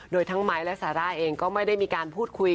โดยทั้งไม้และซาร่าเองก็ไม่ได้มีการพูดคุย